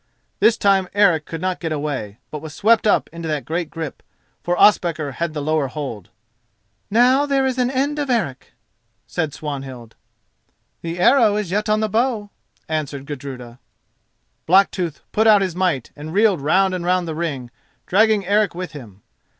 This time Eric could not get away, but was swept up into that great grip, for Ospakar had the lower hold. "Now there is an end of Eric," said Swanhild. "The arrow is yet on the bow," answered Gudruda. Blacktooth put out his might and reeled round and round the ring, dragging Eric with him.